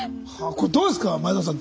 これどうですか前園さん。